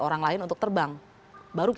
orang lain untuk terbang baru